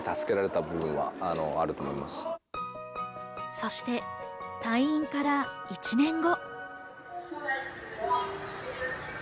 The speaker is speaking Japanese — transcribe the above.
そして退院から１年後。